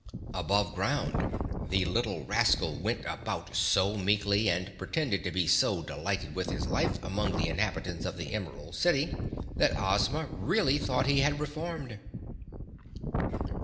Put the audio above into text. Above ground the little rascal went about so meekly and pretended to be so delighted with his life among the inhabitants of the Emerald City, that Ozma really thought he had reformed.